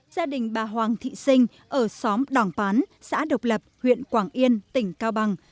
gia đình bà hoàng thị sinh ở xóm đảng pán xã độc lập huyện quảng yên tỉnh cao bằng